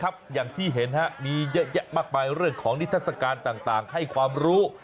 อย่างที่เห็นมีเยอะแยะมากมายเรื่องของนิทัศกาลต่างให้ความรู้